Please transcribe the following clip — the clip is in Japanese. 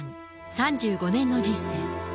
３５年の人生。